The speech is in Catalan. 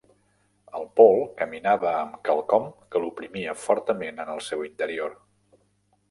El Paul caminava amb quelcom que l'oprimia fortament en el seu interior.